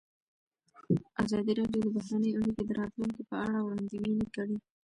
ازادي راډیو د بهرنۍ اړیکې د راتلونکې په اړه وړاندوینې کړې.